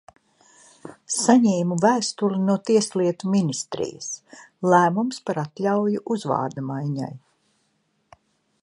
Saņēmu vēstuli no Tieslietu ministrijas – lēmums par atļauju uzvārda maiņai.